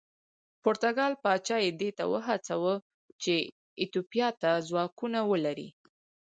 پرتګال پاچا یې دې ته وهڅاوه چې ایتوپیا ته ځواکونه ولېږي.